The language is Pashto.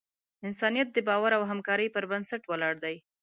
انسانیت د باور او همکارۍ پر بنسټ ولاړ دی.